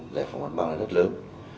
giải phóng vận băng là rất lớn